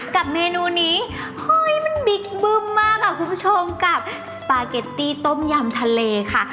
กับเมนูนี้ห้อยมันบิ๊กบึ้มมากค่ะคุณผู้ชมกับสปาเกตตี้ต้มยำทะเลค่ะ